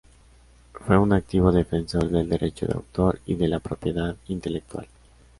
Fue un activo defensor del derecho de autor y de la propiedad intelectual.